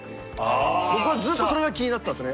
僕はずっとそれが気になってたんですよね。